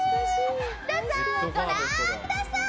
どうぞご覧ください！